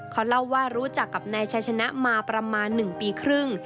เขาเล่าว่ารู้จักกับนายชายชนะมาประมาณ๑ปีครึ่ง